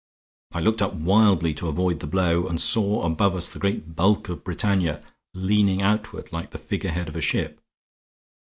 I looked up wildly to avoid the blow, and saw above us the great bulk of Britannia leaning outward like the figurehead of a ship.